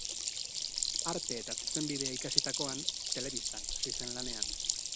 Arte eta zuzenbidea ikasitakoan, telebistan hasi zen lanean.